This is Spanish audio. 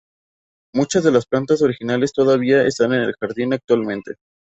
Muchas de las plantas originales todavía están en el jardín actualmente.